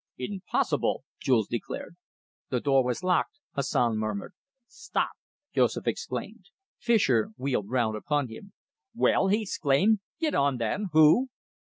"Impossible!" Jules declared. "The door was locked," Hassan murmured. "Stop!" Joseph exclaimed. Fischer wheeled round upon him. "Well?" he exclaimed. "Get on, then. Who?"